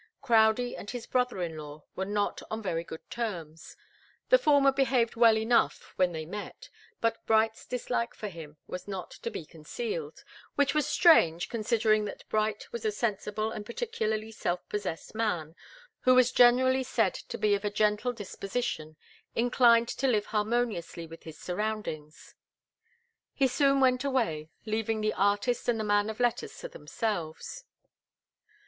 Crowdie and his brother in law were not on very good terms. The former behaved well enough when they met, but Bright's dislike for him was not to be concealed which was strange, considering that Bright was a sensible and particularly self possessed man, who was generally said to be of a gentle disposition, inclined to live harmoniously with his surroundings. He soon went away, leaving the artist and the man of letters to themselves.